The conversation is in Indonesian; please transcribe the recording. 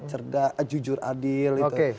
cerdas jujur adil